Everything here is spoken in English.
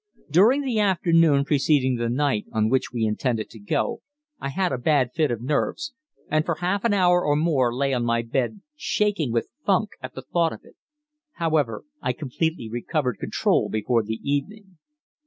During the afternoon preceding the night on which we intended to go, I had a bad fit of nerves, and for half an hour or more lay on my bed shaking with funk at the thought of it. However, I completely recovered control before the evening.